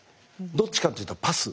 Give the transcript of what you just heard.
どっちかというとパス。